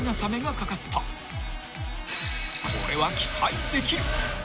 ［これは期待できる］